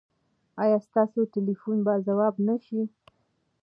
ایا ستاسو ټیلیفون به ځواب نه شي؟